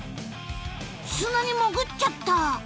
砂に潜っちゃった！